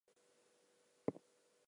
I don't know if it was, but it was unfair.